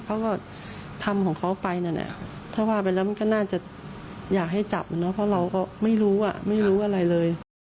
เขาก็ทำของเขาไปนั่นแหละถ้าว่าไปแล้วมันก็น่าจะอยากให้จับเพราะเราก็ไม่รู้อ่ะไม่รู้ไม่รู้อะไรเลย